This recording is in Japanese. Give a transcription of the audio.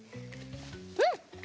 うん。